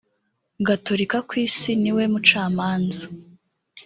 gatolika ku isi ni we mucamanza